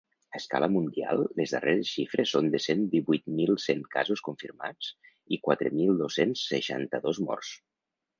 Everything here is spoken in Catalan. A escala mundial les darreres xifres són de cent divuit mil cent casos confirmats i quatre mil dos-cents seixanta-dos morts.